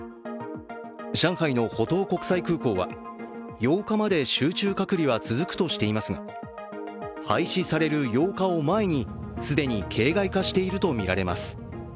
上海の浦東国際空港は８日まで集中隔離は続くとしていますが廃止される８日を前に既に形骸化しているとみられます。